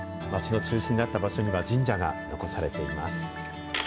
町の中心だった場所には神社が残されています。